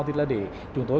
thì là để chúng tôi